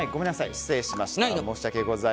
失礼しました。